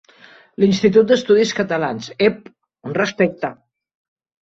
L'Institut d'Estudis Catalans, ep un respecte!